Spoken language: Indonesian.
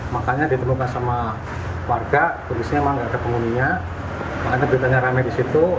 makanya ditemukan sama warga tulisnya memang tidak ada penguninya makanya ditanya ramai di situ